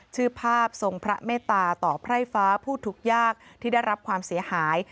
ชื่อภาพทรงพระเมตตาต่อไพร่ฟ้าผู้ทุกข์ยากที่ได้รับความเสียหาย